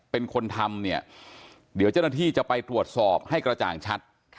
เป็นคนทำเนี่ยเดี๋ยวเจ้าหน้าที่จะไปตรวจสอบให้กระจ่างชัด